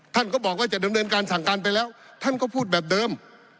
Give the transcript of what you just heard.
ท่านก็บอกว่าจะดำเนินการสั่งการไปแล้วท่านก็พูดแบบเดิม